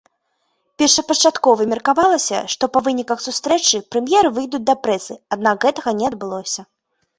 Першапачаткова меркавалася, што па выніках сустрэчы прэм'еры выйдуць да прэсы, аднак гэтага не адбылося.